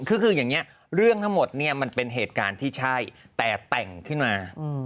คืออย่างนี้เรื่องทั้งหมดเนี่ยมันเป็นเหตุการณ์ที่ใช่แต่แต่งขึ้นมา